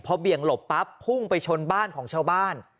เบี่ยงหลบปั๊บพุ่งไปชนบ้านของชาวบ้าน